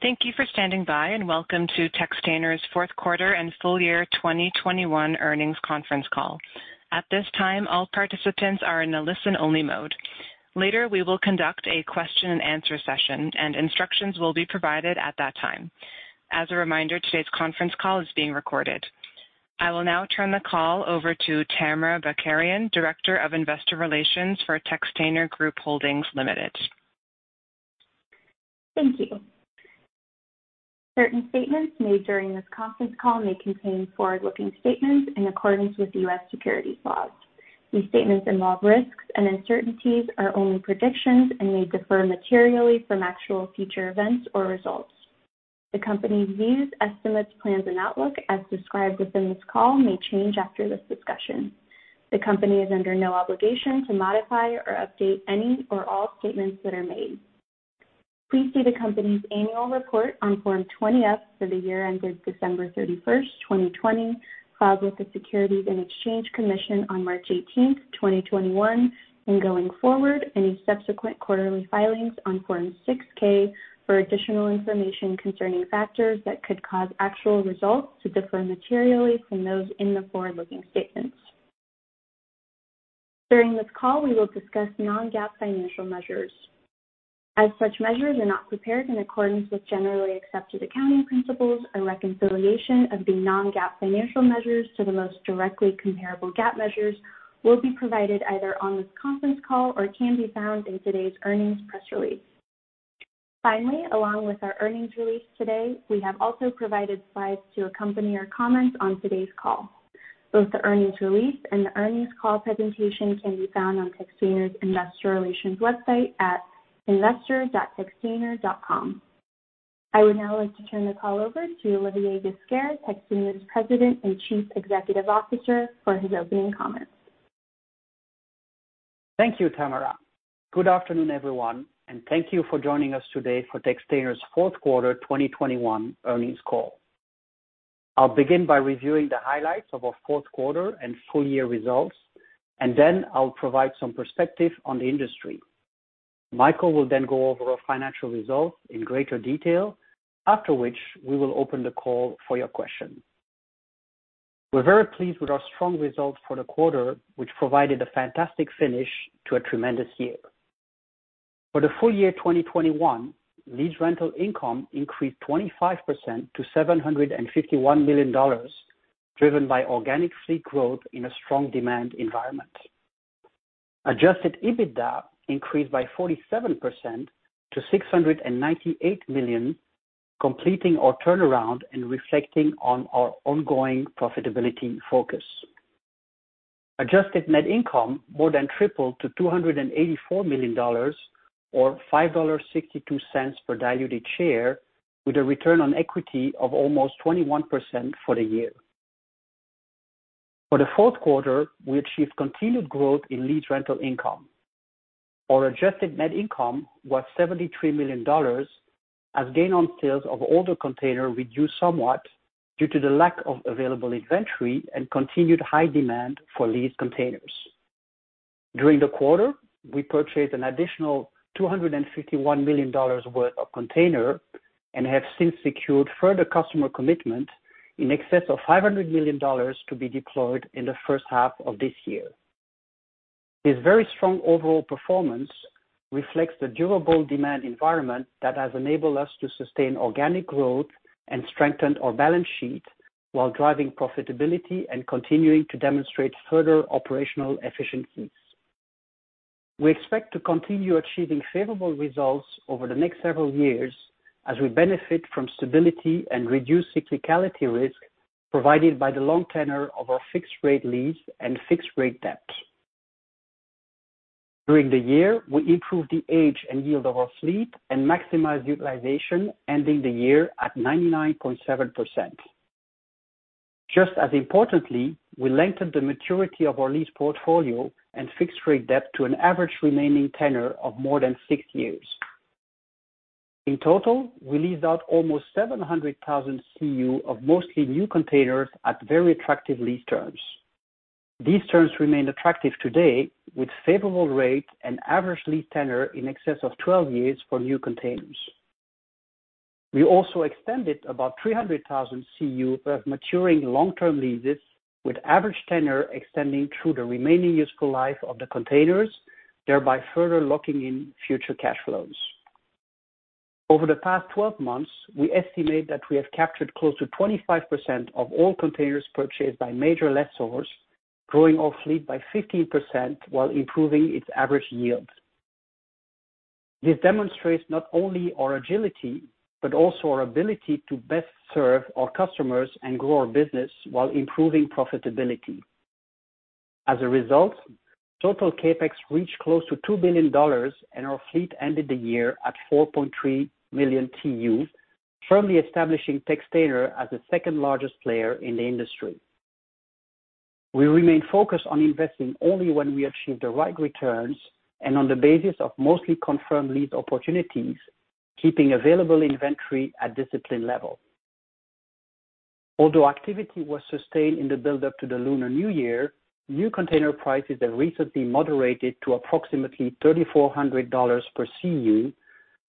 Thank you for standing by, and welcome to Textainer's fourth quarter and full year 2021 earnings conference call. At this time, all participants are in a listen-only mode. Later, we will conduct a Q&A session, and instructions will be provided at that time. As a reminder, today's conference call is being recorded. I will now turn the call over to Tamara Bakarian, Director of Investor Relations for Textainer Group Holdings Limited. Thank you. Certain statements made during this conference call may contain forward-looking statements in accordance with U.S. securities laws. These statements involve risks and uncertainties, are only predictions, and may differ materially from actual future events or results. The company's views, estimates, plans, and outlook, as described within this call, may change after this discussion. The company is under no obligation to modify or update any or all statements that are made. Please see the company's annual report on Form 20-F for the year ended December 31st, 2020, filed with the Securities and Exchange Commission on March 18th, 2021, and going forward, any subsequent quarterly filings on Form 6-K for additional information concerning factors that could cause actual results to differ materially from those in the forward-looking statements. During this call, we will discuss non-GAAP financial measures. As such measures are not prepared in accordance with generally accepted accounting principles, a reconciliation of the non-GAAP financial measures to the most directly comparable GAAP measures will be provided either on this conference call or can be found in today's earnings press release. Finally, along with our earnings release today, we have also provided slides to accompany our comments on today's call. Both the earnings release and the earnings call presentation can be found on Textainer's Investor Relations website at investor.textainer.com. I would now like to turn the call over to Olivier Ghesquiere, Textainer's President and Chief Executive Officer, for his opening comments. Thank you, Tamara. Good afternoon, everyone, and thank you for joining us today for Textainer's fourth quarter 2021 earnings call. I'll begin by reviewing the highlights of our fourth quarter and full year results, and then I'll provide some perspective on the industry. Michael will then go over our financial results in greater detail. After which, we will open the call for your questions. We're very pleased with our strong results for the quarter, which provided a fantastic finish to a tremendous year. For the full year 2021, lease rental income increased 25% to $751 million, driven by organic fleet growth in a strong demand environment. Adjusted EBITDA increased by 47% to $698 million, completing our turnaround and reflecting on our ongoing profitability focus. Adjusted net income more than tripled to $284 million or $5.62 per diluted share, with a return on equity of almost 21% for the year. For the fourth quarter, we achieved continued growth in lease rental income. Our adjusted net income was $73 million, as gain on sales of older container reduced somewhat due to the lack of available inventory and continued high demand for leased containers. During the quarter, we purchased an additional $251 million worth of container and have since secured further customer commitment in excess of $500 million to be deployed in the first half of this year. This very strong overall performance reflects the durable demand environment that has enabled us to sustain organic growth and strengthen our balance sheet while driving profitability and continuing to demonstrate further operational efficiencies. We expect to continue achieving favorable results over the next several years as we benefit from stability and reduced cyclicality risk provided by the long tenor of our fixed-rate lease and fixed-rate debt. During the year, we improved the age and yield of our fleet and maximized utilization, ending the year at 99.7%. Just as importantly, we lengthened the maturity of our lease portfolio and fixed-rate debt to an average remaining tenor of more than six years. In total, we leased out almost 700,000 CEU of mostly new containers at very attractive lease terms. These terms remain attractive today with favorable rate and average lease tenor in excess of 12 years for new containers. We also extended about 300,000 CEU of maturing long-term leases with average tenor extending through the remaining useful life of the containers, thereby further locking in future cash flows. Over the past 12 months, we estimate that we have captured close to 25% of all containers purchased by major lessors, growing our fleet by 15% while improving its average yield. This demonstrates not only our agility, but also our ability to best serve our customers and grow our business while improving profitability. As a result, total CapEx reached close to $2 billion, and our fleet ended the year at 4.3 million TEUs, firmly establishing Textainer as the second-largest player in the industry. We remain focused on investing only when we achieve the right returns and on the basis of mostly confirmed lease opportunities, keeping available inventory at disciplined levels. Although activity was sustained in the build-up to the Lunar New Year, new container prices have recently moderated to approximately $3,400 per CEU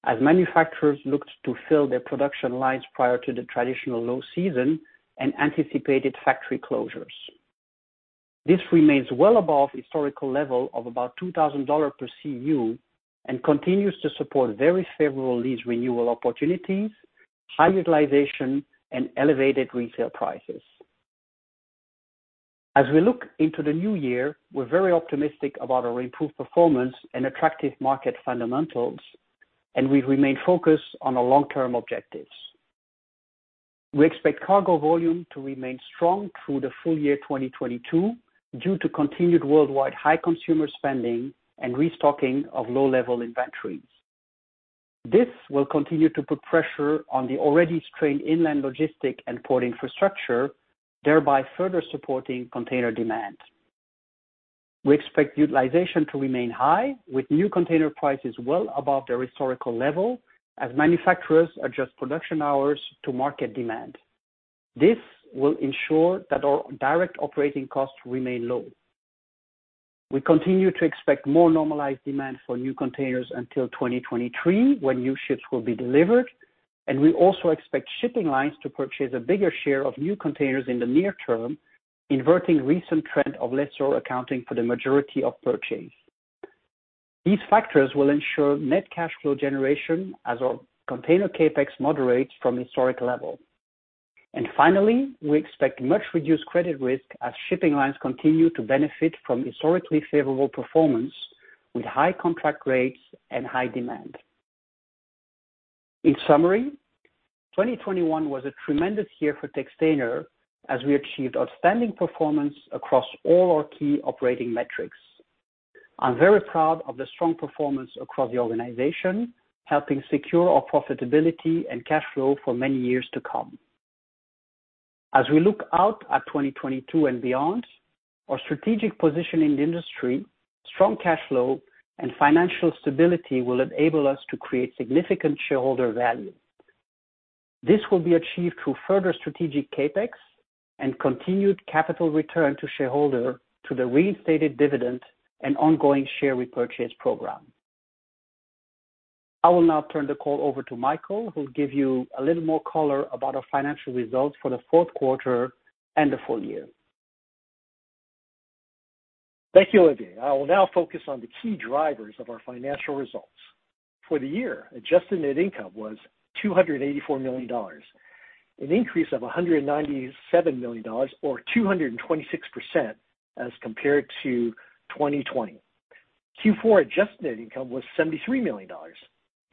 as manufacturers looked to fill their production lines prior to the traditional low season and anticipated factory closures. This remains well above historical level of about $2,000 per CEU and continues to support very favorable lease renewal opportunities, high utilization, and elevated resale prices. As we look into the new year, we're very optimistic about our improved performance and attractive market fundamentals, and we remain focused on our long-term objectives. We expect cargo volume to remain strong through the full year 2022 due to continued worldwide high consumer spending and restocking of low-level inventories. This will continue to put pressure on the already strained inland logistics and port infrastructure, thereby further supporting container demand. We expect utilization to remain high, with new container prices well above their historical level as manufacturers adjust production hours to market demand. This will ensure that our direct operating costs remain low. We continue to expect more normalized demand for new containers until 2023, when new ships will be delivered, and we also expect shipping lines to purchase a bigger share of new containers in the near term, inverting recent trend of lessor accounting for the majority of purchase. These factors will ensure net cash flow generation as our container CapEx moderates from historic level. Finally, we expect much reduced credit risk as shipping lines continue to benefit from historically favorable performance with high contract rates and high demand. In summary, 2021 was a tremendous year for Textainer as we achieved outstanding performance across all our key operating metrics. I'm very proud of the strong performance across the organization, helping secure our profitability and cash flow for many years to come. As we look out at 2022 and beyond, our strategic position in the industry, strong cash flow, and financial stability will enable us to create significant shareholder value. This will be achieved through further strategic CapEx and continued capital return to shareholder through the reinstated dividend and ongoing share repurchase program. I will now turn the call over to Michael, who will give you a little more color about our financial results for the fourth quarter and the full year. Thank you, Olivier. I will now focus on the key drivers of our financial results. For the year, adjusted net income was $284 million, an increase of $197 million or 226% as compared to 2020. Q4 adjusted net income was $73 million,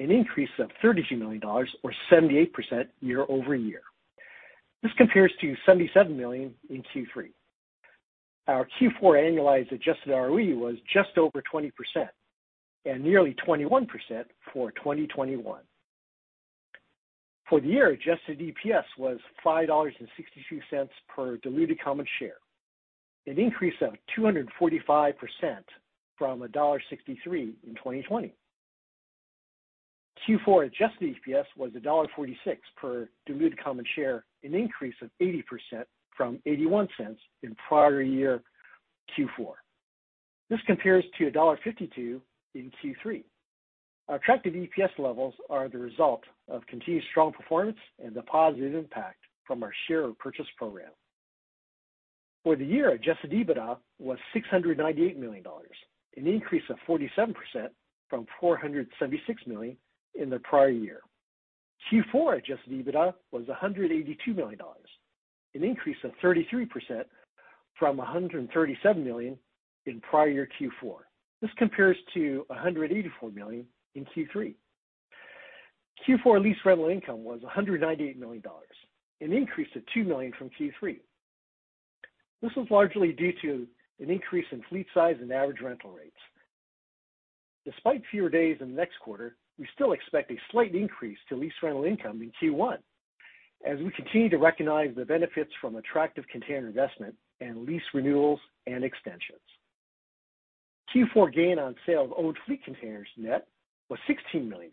an increase of $32 million or 78% year-over-year. This compares to $77 million in Q3. Our Q4 annualized adjusted ROE was just over 20% and nearly 21% for 2021. For the year, adjusted EPS was $5.62 per diluted common share, an increase of 245% from $1.63 in 2020. Q4 adjusted EPS was $1.46 per diluted common share, an increase of 80% from $0.81 in prior year Q4. This compares to $1.52 in Q3. Our attractive EPS levels are the result of continued strong performance and the positive impact from our share purchase program. For the year, adjusted EBITDA was $698 million, an increase of 47% from $476 million in the prior year. Q4 adjusted EBITDA was $182 million, an increase of 33% from $137 million in prior year Q4. This compares to $184 million in Q3. Q4 lease rental income was $198 million, an increase of $2 million from Q3. This was largely due to an increase in fleet size and average rental rates. Despite fewer days in the next quarter, we still expect a slight increase to lease rental income in Q1 as we continue to recognize the benefits from attractive container investment and lease renewals and extensions. Q4 gain on sale of owned fleet containers net was $16 million,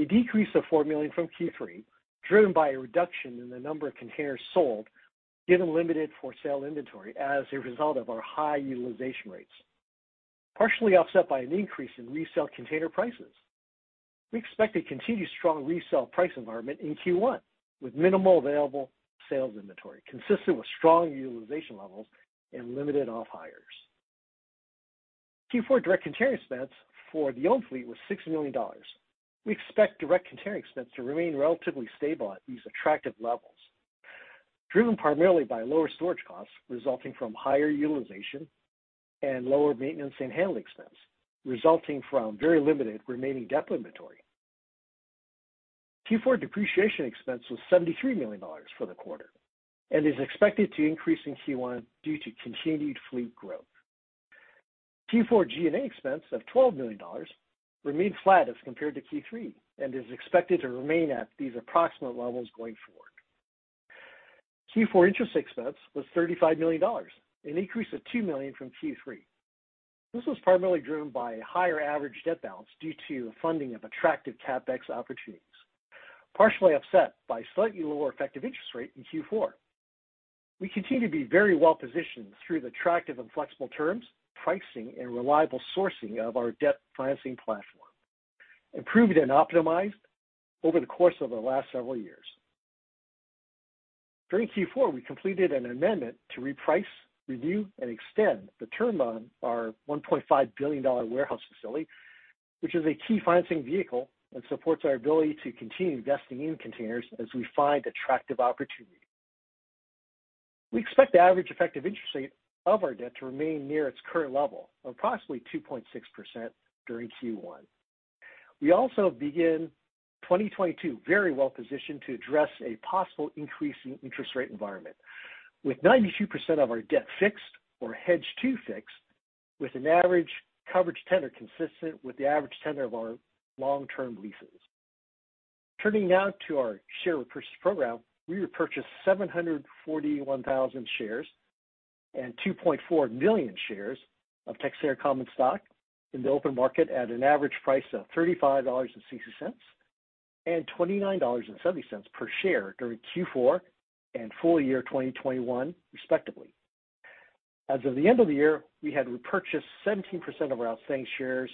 a decrease of $4 million from Q3, driven by a reduction in the number of containers sold, given limited for sale inventory as a result of our high utilization rates, partially offset by an increase in resale container prices. We expect a continued strong resale price environment in Q1 with minimal available sales inventory, consistent with strong utilization levels and limited off-hires. Q4 direct container expense for the owned fleet was $6 million. We expect direct container expense to remain relatively stable at these attractive levels, driven primarily by lower storage costs resulting from higher utilization and lower maintenance and handling expense, resulting from very limited remaining depth inventory. Q4 depreciation expense was $73 million for the quarter and is expected to increase in Q1 due to continued fleet growth. Q4 G&A expense of $12 million remained flat as compared to Q3 and is expected to remain at these approximate levels going forward. Q4 interest expense was $35 million, an increase of $2 million from Q3. This was primarily driven by a higher average debt balance due to funding of attractive CapEx opportunities, partially offset by slightly lower effective interest rate in Q4. We continue to be very well-positioned through the attractive and flexible terms, pricing, and reliable sourcing of our debt financing platform, improved and optimized over the course of the last several years. During Q4, we completed an amendment to reprice, review, and extend the term on our $1.5 billion warehouse facility, which is a key financing vehicle that supports our ability to continue investing in containers as we find attractive opportunities. We expect the average effective interest rate of our debt to remain near its current level of approximately 2.6% during Q1. We also begin 2022 very well-positioned to address a possible increase in interest rate environment, with 92% of our debt fixed or hedged to fixed, with an average coverage tenor consistent with the average tenor of our long-term leases. Turning now to our share repurchase program. We repurchased 741,000 shares and 2.4 million shares of Textainer common stock in the open market at an average price of $35.60, and $29.70 per share during Q4 and full year 2021, respectively. As of the end of the year, we had repurchased 17% of our outstanding shares,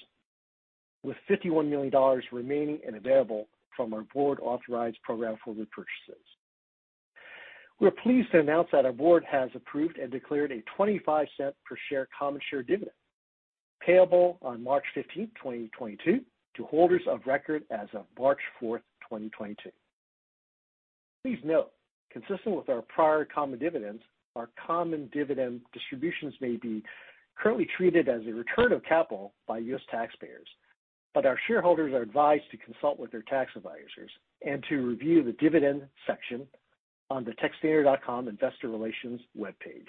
with $51 million remaining and available from our board-authorized program for repurchases. We're pleased to announce that our board has approved and declared a 25-cent per share common share dividend, payable on March 15, 2022 to holders of record as of March 4th, 2022. Please note, consistent with our prior common dividends, our common dividend distributions may be currently treated as a return of capital by U.S. taxpayers. Our shareholders are advised to consult with their tax advisors and to review the dividend section on the textainer.com investor relations webpage.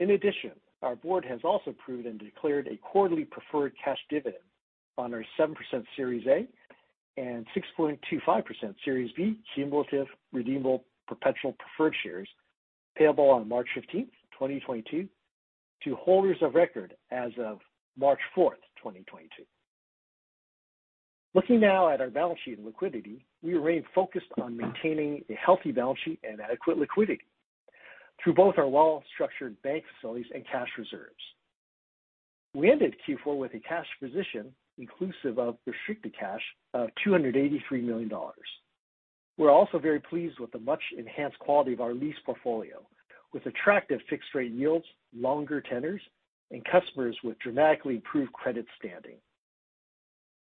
In addition, our board has also approved and declared a quarterly preferred cash dividend on our 7% Series A and 6.25% Series B cumulative redeemable perpetual preferred shares, payable on March 15, 2022 to holders of record as of March 4th, 2022. Looking now at our balance sheet and liquidity, we remain focused on maintaining a healthy balance sheet and adequate liquidity through both our well-structured bank facilities and cash reserves. We ended Q4 with a cash position, inclusive of restricted cash, of $283 million. We're also very pleased with the much-enhanced quality of our lease portfolio, with attractive fixed rate yields, longer tenors, and customers with dramatically improved credit standing.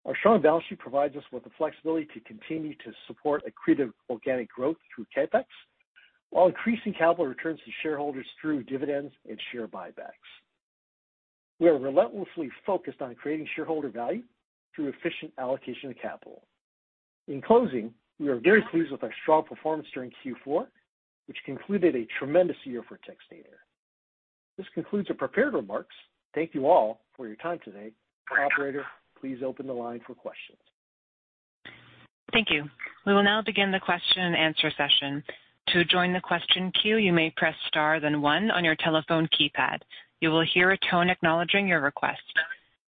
Our strong balance sheet provides us with the flexibility to continue to support accretive organic growth through CapEx, while increasing capital returns to shareholders through dividends and share buybacks. We are relentlessly focused on creating shareholder value through efficient allocation of capital. In closing, we are very pleased with our strong performance during Q4, which concluded a tremendous year for Textainer. This concludes our prepared remarks. Thank you all for your time today. Operator, please open the line for questions. Thank you. We will now begin the Q&A session. To join the question queue, you may press star, then one on your telephone keypad. You will hear a tone acknowledging your request.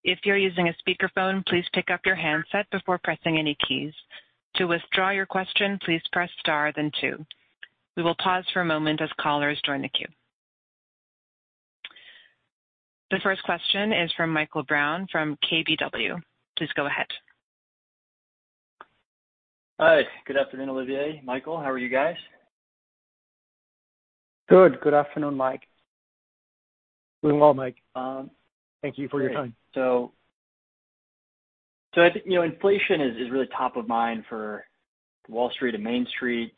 If you're using a speakerphone, please pick up your handset before pressing any keys. To withdraw your question, please press star then two. We will pause for a moment as callers join the queue. The first question is from Michael Brown from KBW. Please go ahead. Hi. Good afternoon, Olivier, Michael. How are you guys? Good. Good afternoon, Mike. Doing well, Mike. Thank you for your time. I think inflation is really top of mind for Wall Street and Main Street.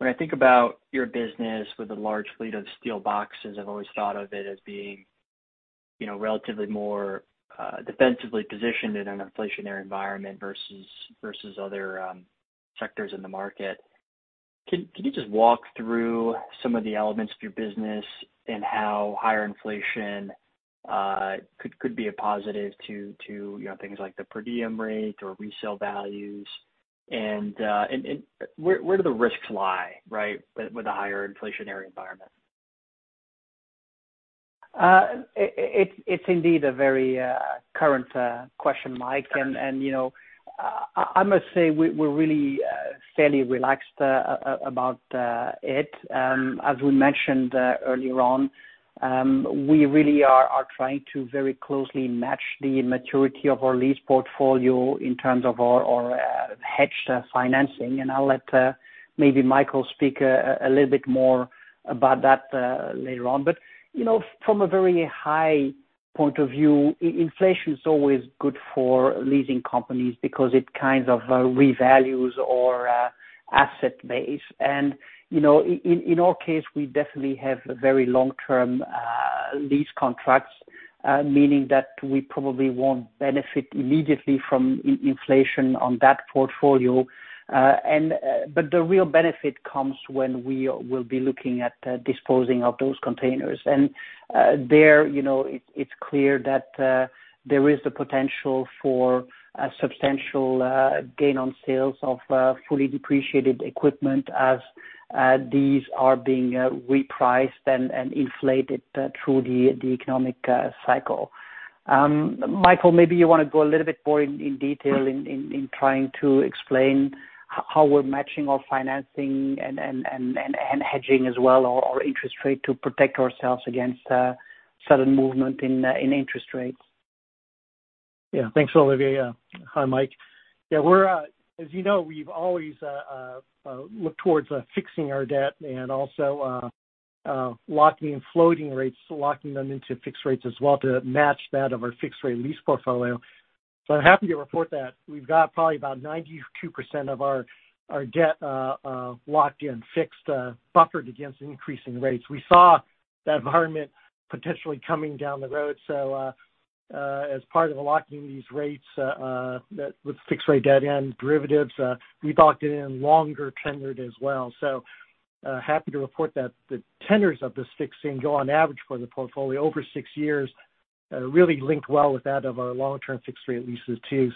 When I think about your business with a large fleet of steel boxes, I've always thought of it as being relatively more defensively positioned in an inflationary environment versus other sectors in the market. Can you just walk through some of the elements of your business and how higher inflation could be a positive to things like the per diem rate or resale values? Where do the risks lie, right? With the higher inflationary environment? It's indeed a very current question, Mike. You know, I must say we're really fairly relaxed about it. As we mentioned earlier on, we really are trying to very closely match the maturity of our lease portfolio in terms of our hedged financing. I'll let maybe Michael speak a little bit more about that later on. You know, from a very high point of view, inflation is always good for leasing companies because it kind of revalues our asset base. You know, in our case, we definitely have very long-term lease contracts, meaning that we probably won't benefit immediately from inflation on that portfolio. The real benefit comes when we will be looking at disposing of those containers. There, you know, it is clear that there is the potential for a substantial gain on sales of fully depreciated equipment as these are being repriced and inflated through the economic cycle. Michael, maybe you want to go a little bit more in detail in trying to explain how we're matching our financing and hedging as well our interest rate to protect ourselves against sudden movement in interest rates. Yeah. Thanks, Olivier. Hi, Mike. As you know, we've always looked towards fixing our debt and also locking in floating rates, locking them into fixed rates as well to match that of our fixed rate lease portfolio. I'm happy to report that we've got probably about 92% of our debt locked in fixed, buffered against increasing rates. We saw that environment potentially coming down the road. As part of locking these rates, that, with fixed rate debt and derivatives, we locked it in longer tenured as well. Happy to report that the tenors of this fixing go on average for the portfolio over six years, really linked well with that of our long-term fixed rate leases too.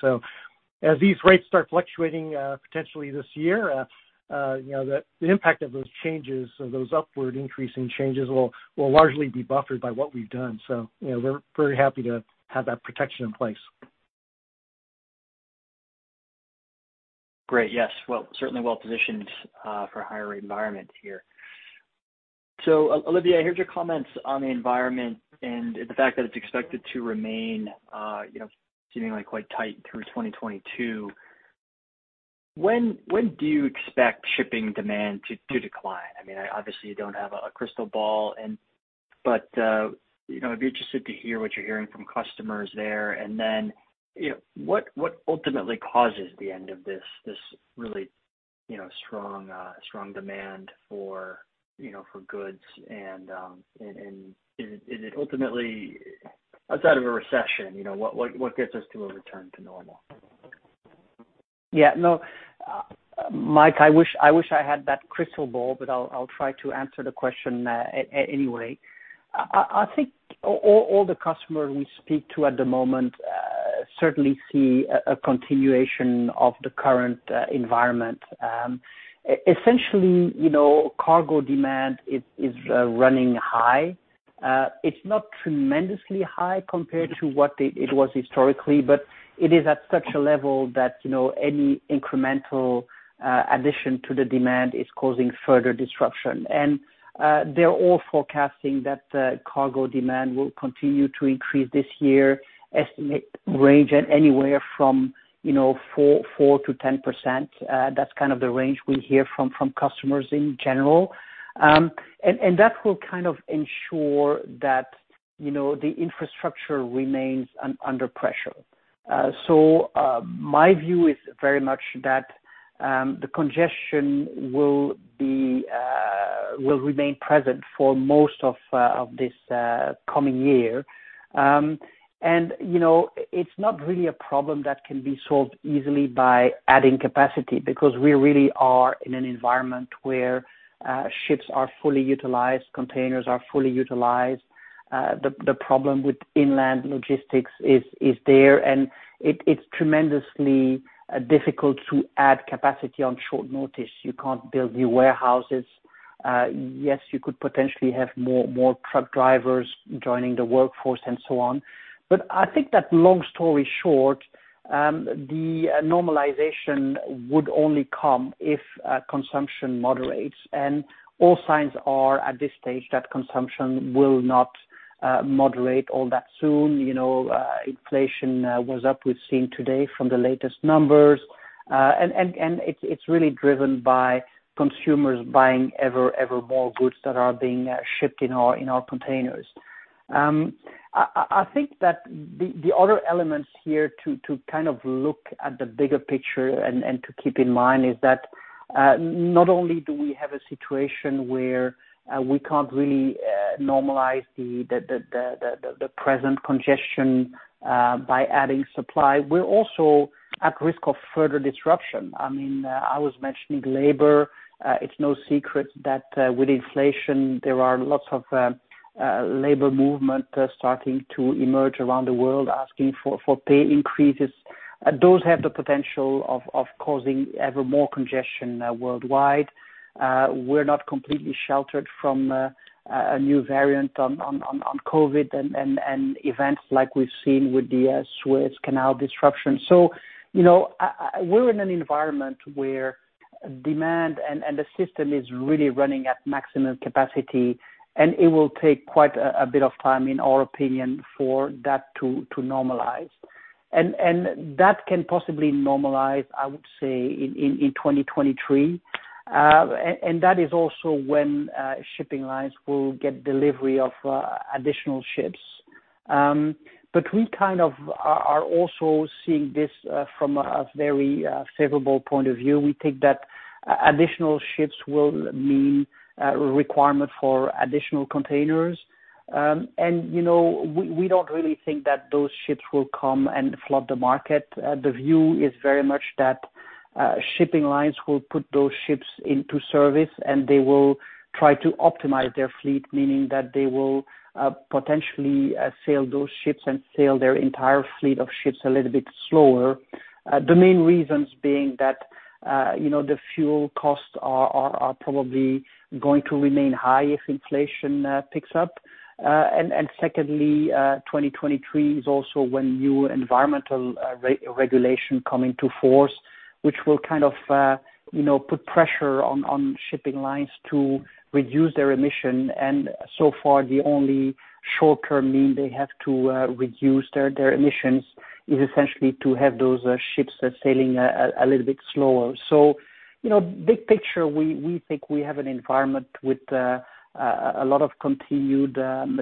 As these rates start fluctuating, potentially this year, you know, the impact of those changes or those upward increasing changes will largely be buffered by what we've done. You know, we're very happy to have that protection in place. Great. Yes. Well, certainly well-positioned for a higher rate environment here. Olivier, I heard your comments on the environment and the fact that it's expected to remain, you know, seemingly quite tight through 2022. When do you expect shipping demand to decline? I mean, obviously, you don't have a crystal ball, but you know, I'd be interested to hear what you're hearing from customers there. You know, what ultimately causes the end of this really, you know, strong demand for, you know, for goods and is it ultimately outside of a recession? You know, what gets us to a return to normal? Yeah. No, Mike, I wish I had that crystal ball, but I'll try to answer the question anyway. I think all the customers we speak to at the moment certainly see a continuation of the current environment. Essentially, you know, cargo demand is running high. It's not tremendously high compared to what it was historically, but it is at such a level that, you know, any incremental addition to the demand is causing further disruption. They're all forecasting that cargo demand will continue to increase this year, estimate range at anywhere from 4%-10%. That's kind of the range we hear from customers in general. That will kind of ensure that, you know, the infrastructure remains under pressure. My view is very much that the congestion will remain present for most of this coming year. You know, it's not really a problem that can be solved easily by adding capacity because we really are in an environment where ships are fully utilized, containers are fully utilized. The problem with inland logistics is there, and it's tremendously difficult to add capacity on short notice. You can't build new warehouses. Yes, you could potentially have more truck drivers joining the workforce and so on. I think that long story short, the normalization would only come if consumption moderates. All signs are, at this stage, that consumption will not moderate all that soon. You know, inflation was up, we've seen today from the latest numbers. It's really driven by consumers buying ever more goods that are being shipped in our containers. I think that the other elements here to kind of look at the bigger picture and to keep in mind is that, not only do we have a situation where we can't really normalize the present congestion by adding supply, we're also at risk of further disruption. I mean, I was mentioning labor. It's no secret that, with inflation, there are lots of labor movement starting to emerge around the world asking for pay increases. Those have the potential of causing ever more congestion worldwide. We're not completely sheltered from a new variant of COVID and events like we've seen with the Suez Canal disruption. You know, we're in an environment where demand and the system is really running at maximum capacity, and it will take quite a bit of time, in our opinion, for that to normalize. That can possibly normalize, I would say, in 2023. And that is also when shipping lines will get delivery of additional ships. We kind of are also seeing this from a very favorable point of view. We think that additional ships will mean a requirement for additional containers. You know, we don't really think that those ships will come and flood the market. The view is very much that shipping lines will put those ships into service, and they will try to optimize their fleet, meaning that they will potentially sail those ships and sail their entire fleet of ships a little bit slower. The main reasons being that you know, the fuel costs are probably going to remain high if inflation picks up. Secondly, 2023 is also when new environmental regulations come into force, which will kind of you know, put pressure on shipping lines to reduce their emissions. So far, the only short-term means they have to reduce their emissions is essentially to have those ships sailing a little bit slower. You know, big picture, we think we have an environment with a lot of continued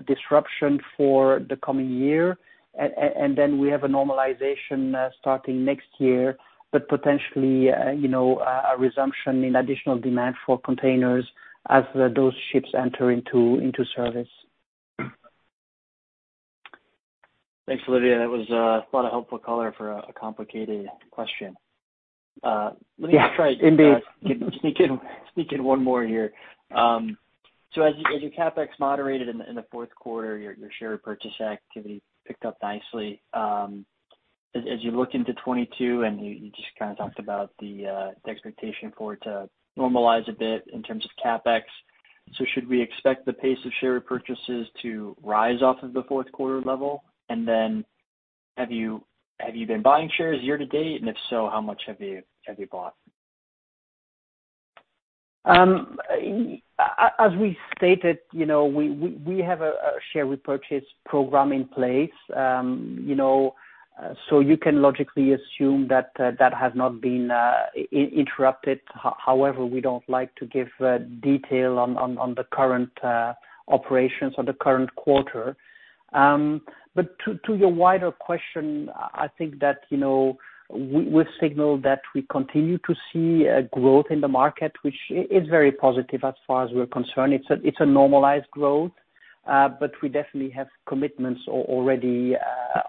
disruption for the coming year. Then we have a normalization starting next year, but potentially, you know, a resumption in additional demand for containers as those ships enter into service. Thanks, Olivier. That was quite a helpful color for a complicated question. Let me just try. Yeah. Indeed. Sneak in one more here. As your CapEx moderated in the fourth quarter, your share purchase activity picked up nicely. As you look into 2022 and you just kind of talked about the expectation for it to normalize a bit in terms of CapEx, should we expect the pace of share purchases to rise off of the fourth quarter level? Have you been buying shares year to date? If so, how much have you bought? As we stated, you know, we have a share repurchase program in place. You know, you can logically assume that that has not been interrupted. However, we don't like to give detail on the current operations or the current quarter. To your wider question, I think that, you know, we've signaled that we continue to see a growth in the market, which is very positive as far as we're concerned. It's a normalized growth, but we definitely have commitments already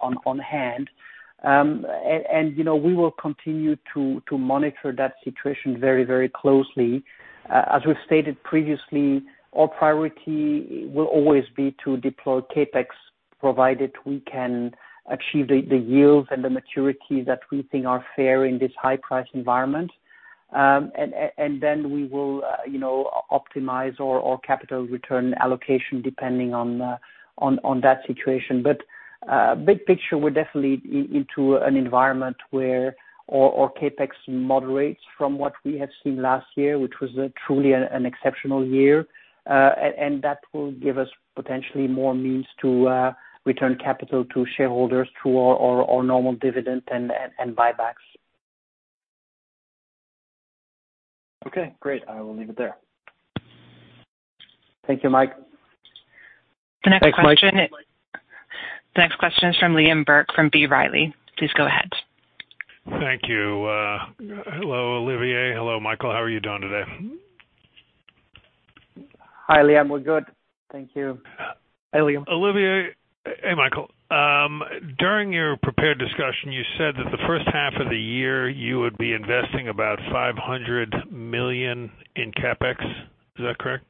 on hand. You know, we will continue to monitor that situation very, very closely. As we've stated previously, our priority will always be to deploy CapEx, provided we can achieve the yields and the maturity that we think are fair in this high price environment. Then we will, you know, optimize our capital return allocation depending on that situation. Big picture, we're definitely into an environment where our CapEx moderates from what we have seen last year, which was truly an exceptional year. That will give us potentially more means to return capital to shareholders through our normal dividend and buybacks. Okay, great. I will leave it there. Thank you, Mike. The next question. Thanks, Mike. The next question is from Liam Burke from B. Riley. Please go ahead. Thank you. Hello, Olivier. Hello, Michael. How are you doing today? Hi, Liam. We're good. Thank you. Hey, Liam. Hey, Michael. During your prepared discussion, you said that the first half of the year you would be investing about $500 million in CapEx. Is that correct?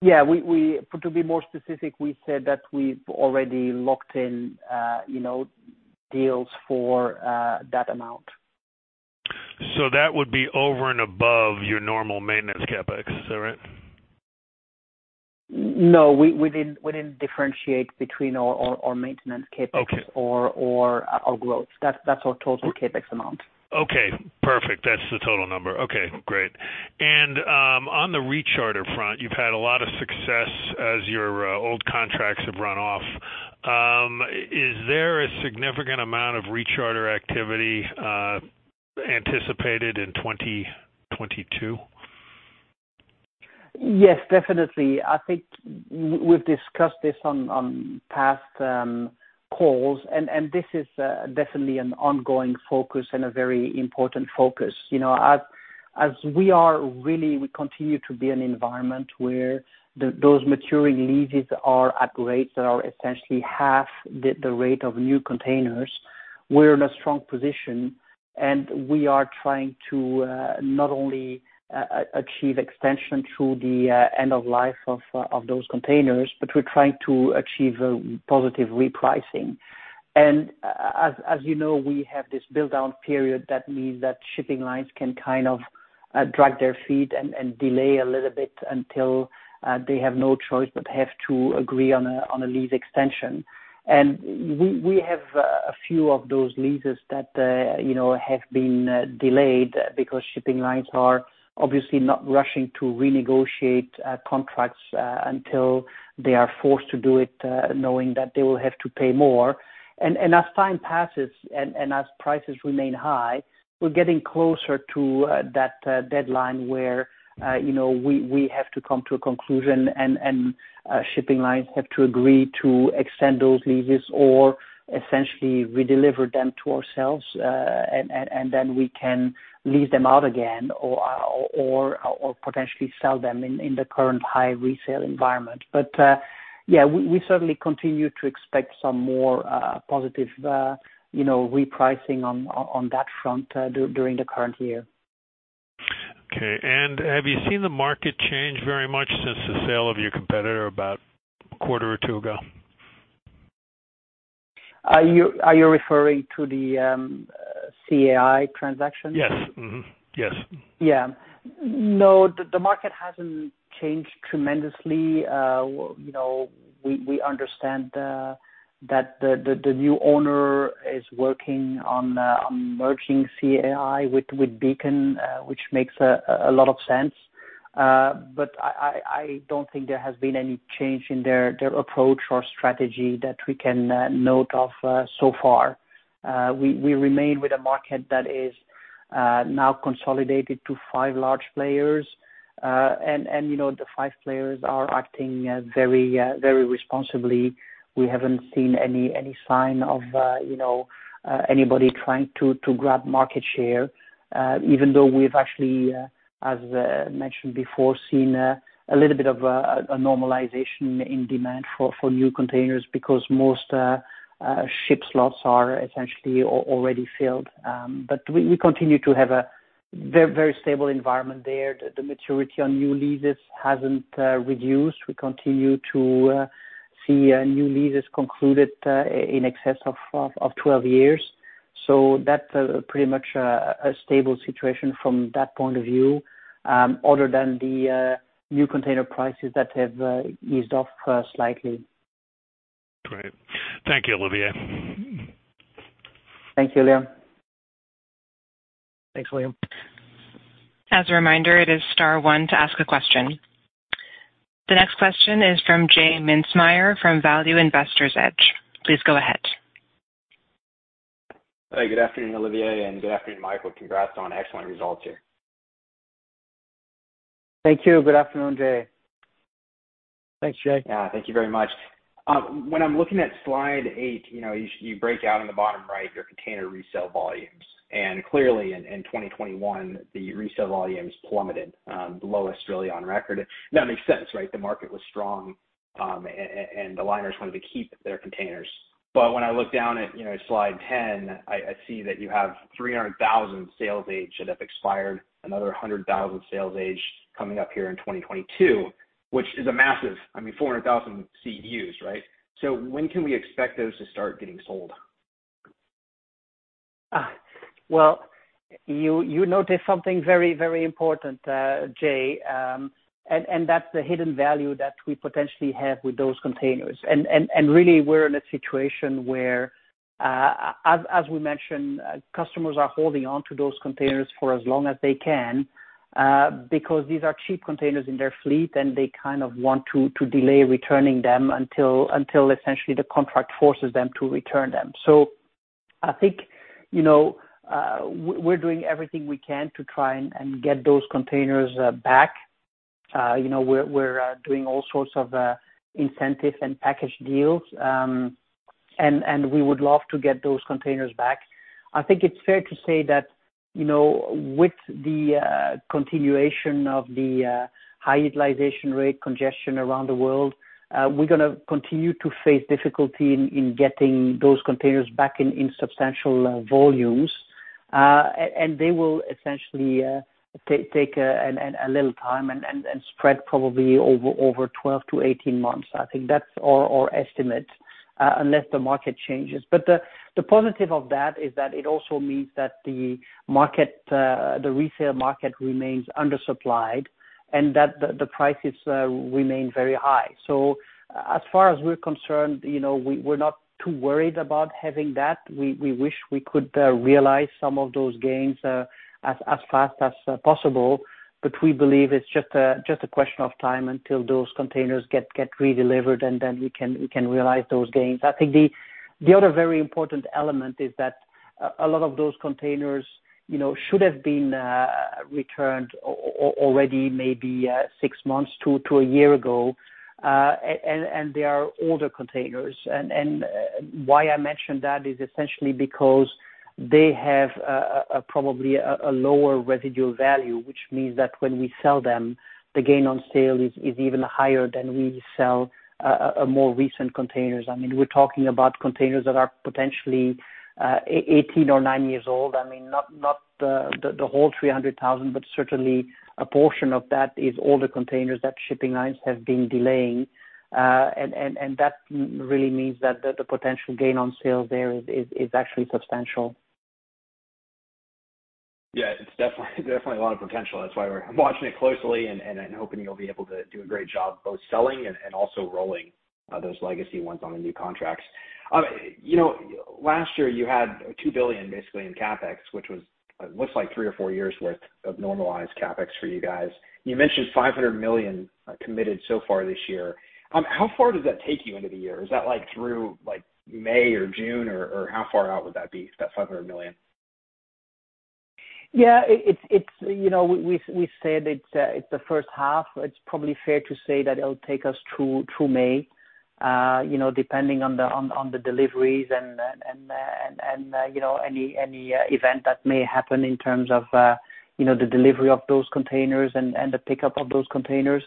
Yeah. To be more specific, we said that we've already locked in, you know, deals for that amount. That would be over and above your normal maintenance CapEx, is that right? No. We didn't differentiate between our maintenance CapEx. Okay. Our growth. That's our total CapEx amount. Okay. Perfect. That's the total number. Okay, great. On the recharter front, you've had a lot of success as your old contracts have run off. Is there a significant amount of recharter activity anticipated in 2022? Yes, definitely. I think we've discussed this on past calls, and this is definitely an ongoing focus and a very important focus. You know, we continue to be in an environment where those maturing leases are at rates that are essentially half the rate of new containers. We're in a strong position, and we are trying to not only achieve extension through the end of life of those containers, but we're trying to achieve a positive repricing. As you know, we have this build-down period that means that shipping lines can kind of drag their feet and delay a little bit until they have no choice but have to agree on a lease extension. We have a few of those leases that, you know, have been delayed because shipping lines are obviously not rushing to renegotiate contracts until they are forced to do it, knowing that they will have to pay more. As time passes and as prices remain high, we're getting closer to that deadline where, you know, we have to come to a conclusion and shipping lines have to agree to extend those leases or essentially redeliver them to ourselves, and then we can lease them out again or potentially sell them in the current high resale environment. Yeah, we certainly continue to expect some more positive, you know, repricing on that front during the current year. Okay. Have you seen the market change very much since the sale of your competitor about a quarter or two ago? Are you referring to the CAI transaction? Yes. Mm-hmm. Yes. Yeah. No, the market hasn't changed tremendously. You know, we understand that the new owner is working on merging CAI with Beacon, which makes a lot of sense. But I don't think there has been any change in their approach or strategy that we can note so far. We remain with a market that is now consolidated to five large players. And you know, the five players are acting very responsibly. We haven't seen any sign of you know anybody trying to grab market share. Even though we've actually as mentioned before seen a little bit of a normalization in demand for new containers because most ship slots are essentially already filled. We continue to have a very stable environment there. The maturity on new leases hasn't reduced. We continue to see new leases concluded in excess of 12 years. That's pretty much a stable situation from that point of view, other than the new container prices that have eased off slightly. Great. Thank you, Olivier. Thank you, Liam. Thanks, Liam. As a reminder, it is star one to ask a question. The next question is from J Mintzmyer from Value Investor's Edge. Please go ahead. Hi, good afternoon, Olivier, and good afternoon, Michael. Congrats on excellent results here. Thank you. Good afternoon, J. Thanks, J. Yeah. Thank you very much. When I'm looking at slide eight, you know, you break out in the bottom right, your container resale volumes. Clearly in 2021, the resale volumes plummeted, the lowest really on record. That makes sense, right? The market was strong, and the liners wanted to keep their containers. When I look down at, you know, slide 10, I see that you have 300,000 sales age that have expired, another 100,000 sales age coming up here in 2022, which is a massive, I mean, 400,000 CEUs, right? So when can we expect those to start getting sold? Well, you noticed something very important, J, and really we're in a situation where, as we mentioned, customers are holding onto those containers for as long as they can, because these are cheap containers in their fleet, and they kind of want to delay returning them until essentially the contract forces them to return them. I think, you know, we're doing everything we can to try and get those containers back. You know, we're doing all sorts of incentive and package deals. We would love to get those containers back. I think it's fair to say that, you know, with the continuation of the high utilization rate congestion around the world, we're gonna continue to face difficulty in getting those containers back in substantial volumes. They will essentially take a little time and spread probably over 12-18 months. I think that's our estimate unless the market changes. The positive of that is that it also means that the market, the resale market remains undersupplied and that the prices remain very high. As far as we're concerned, you know, we're not too worried about having that. We wish we could realize some of those gains as fast as possible, but we believe it's just a question of time until those containers get redelivered, and then we can realize those gains. I think the other very important element is that a lot of those containers, you know, should have been returned already maybe six months to one year ago. They are older containers. Why I mention that is essentially because they have a probably lower residual value, which means that when we sell them, the gain on sale is even higher than we sell more recent containers. I mean, we're talking about containers that are potentially 18 or nine years old. I mean, not the whole 300,000, but certainly a portion of that is older containers that shipping lines have been delaying. That really means that the potential gain on sales there is actually substantial. Yeah, it's definitely a lot of potential. That's why we're watching it closely and hoping you'll be able to do a great job both selling and also rolling those legacy ones on the new contracts. You know, last year you had $2 billion basically in CapEx, which was, it looks like three or four years worth of normalized CapEx for you guys. You mentioned $500 million committed so far this year. How far does that take you into the year? Is that like through like May or June or how far out would that be, that $500 million? Yeah. It's you know we said it's the first half. It's probably fair to say that it'll take us through May you know depending on the deliveries and you know any event that may happen in terms of you know the delivery of those containers and the pickup of those containers.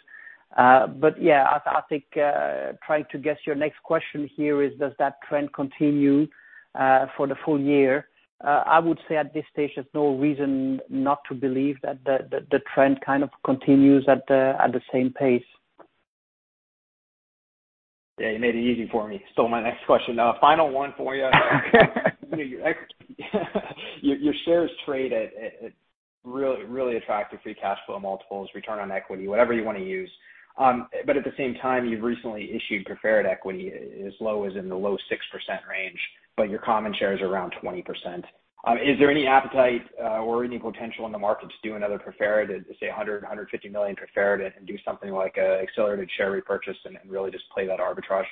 Yeah I think trying to guess your next question here is does that trend continue for the full year? I would say at this stage there's no reason not to believe that the trend kind of continues at the same pace. Yeah, you made it easy for me. Stole my next question. Now a final one for you. Your shares trade at really attractive free cash flow multiples, return on equity, whatever you wanna use. At the same time, you've recently issued preferred equity as low as in the low 6% range, but your common share is around 20%. Is there any appetite or any potential in the market to do another preferred, say, $100-$150 million preferred and do something like accelerated share repurchase and really just play that arbitrage?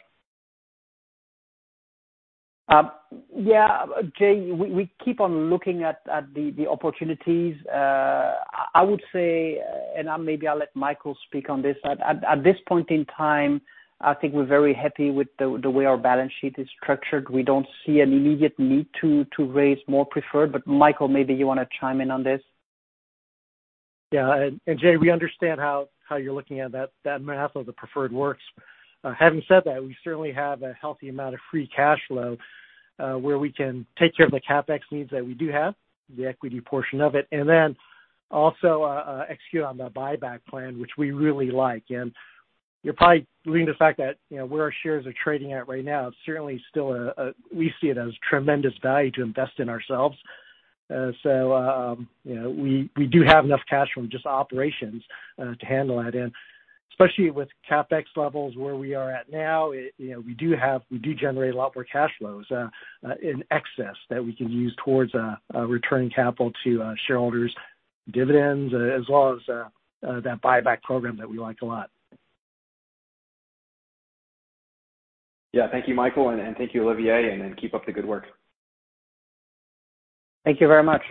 Yeah. Jay, we keep on looking at the opportunities. I would say, and I'll let Michael speak on this. At this point in time, I think we're very happy with the way our balance sheet is structured. We don't see an immediate need to raise more preferred. Michael, maybe you wanna chime in on this. Yeah. Jay, we understand how you're looking at that math of the preferred works. Having said that, we certainly have a healthy amount of free cash flow where we can take care of the CapEx needs that we do have, the equity portion of it, and then also execute on the buyback plan, which we really like. You're probably alluding to the fact that, you know, where our shares are trading at right now, it's certainly still a, we see it as tremendous value to invest in ourselves. You know, we do have enough cash from just operations to handle that. Especially with CapEx levels where we are at now, it, you know, we do generate a lot more cash flows in excess that we can use towards a returning capital to shareholders dividends as well as that buyback program that we like a lot. Yeah. Thank you, Michael, and thank you, Olivier, and keep up the good work. Thank you very much.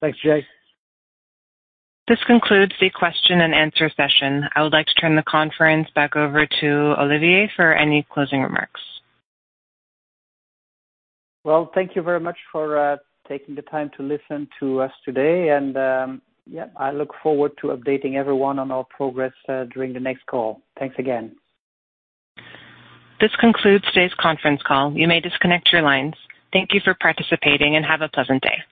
Thanks, J. This concludes the Q&A session. I would like to turn the conference back over to Olivier for any closing remarks. Well, thank you very much for taking the time to listen to us today. Yeah, I look forward to updating everyone on our progress during the next call. Thanks again. This concludes today's conference call. You may disconnect your lines. Thank you for participating and have a pleasant day.